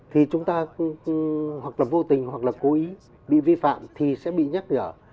thì chúng ta hoặc là vô tình hoặc là cố ý bị vi phạm thì sẽ bị nhắc nhở